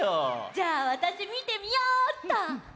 じゃあわたしみてみよっと。